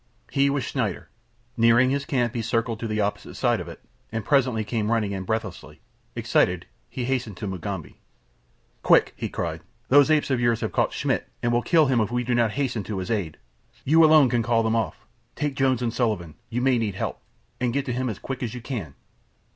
He was Schneider. Nearing his camp he circled to the opposite side of it, and presently came running in breathlessly. Excitedly he hastened to Mugambi. "Quick!" he cried. "Those apes of yours have caught Schmidt and will kill him if we do not hasten to his aid. You alone can call them off. Take Jones and Sullivan—you may need help—and get to him as quick as you can.